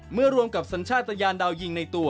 รวมกับสัญชาติตะยานดาวยิงในตัว